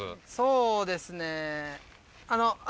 そうですね。